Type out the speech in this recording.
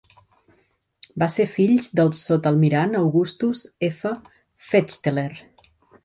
Va ser fills del sots-almirall Augustus F. Fechteler.